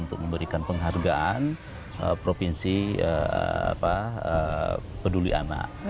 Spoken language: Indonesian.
untuk memberikan penghargaan provinsi peduli anak